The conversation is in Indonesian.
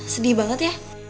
sedih banget ya